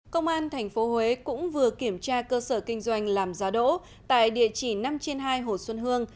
công an tp huế cũng vừa kiểm tra cơ sở kinh doanh làm giá đỗ tại địa chỉ năm trên hai hồ xuân hương